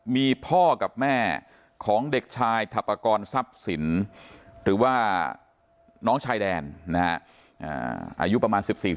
มีพ่อกับแม่ของเด็กชายถัปกรทรัพย์สินหรือว่าน้องชายแดนนะฮะอายุประมาณ๑๔ปี